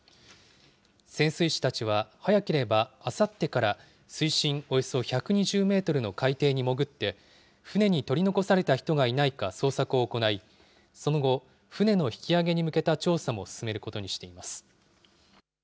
潜水士たちは早ければあさってから、水深およそ１２０メートルの海底に潜って、船に取り残された人がいないか捜索を行い、その後、船の引き揚げに向けた調査も進めることにしています。